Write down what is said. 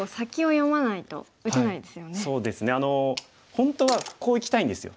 本当はこういきたいんですよ。